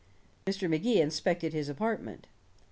Mr. Magee inspected his apartment.